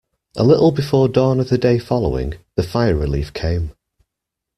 A little before dawn of the day following, the fire relief came.